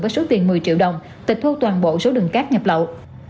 với số tiền một mươi triệu đồng tịch thu toàn bộ số đường cát nhập lậu